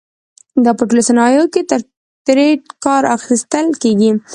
دا په ټولو صنایعو کې ترې کار اخیستل کېږي.